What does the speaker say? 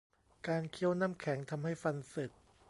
การเคี้ยวน้ำแข็ง ทำให้ฟันสึก